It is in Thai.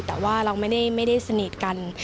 แต่ว่าเราไม่ได้สนิทกัน